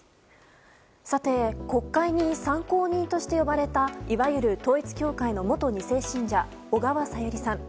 国会に参考人として呼ばれたいわゆる統一教会の元２世信者、小川さゆりさん。